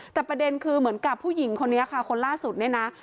แต่ประเด็นคือเหมือนกับผู้หญิงคนนี้ค่ะคนล่าสุดเนี่ยนะ